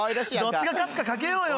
どっちが勝つか賭けようよ。